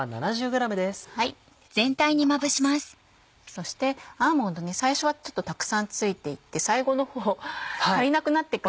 そしてアーモンド最初はたくさん付いていって最後の方足りなくなってくる可能性も。